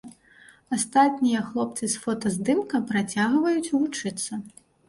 Астатнія хлопцы з фотаздымка працягваюць вучыцца.